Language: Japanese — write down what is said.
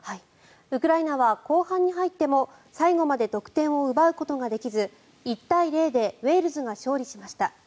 ウクライナは後半に入っても最後まで得点を奪うことができず１対０でウェールズが勝利しました。